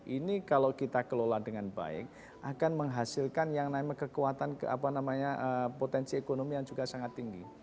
ini kalau kita kelola dengan baik akan menghasilkan yang namanya kekuatan potensi ekonomi yang juga sangat tinggi